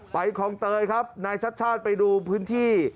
คลองเตยครับนายชัดชาติไปดูพื้นที่